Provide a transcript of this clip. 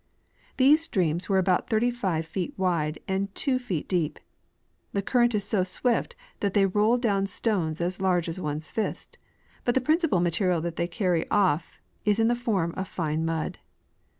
These streams were about thirty feet wide and two feet deej). The current is so swift that they roll down stones as large as one's fist ; but the principal material that they carry off is in the form of fine mud.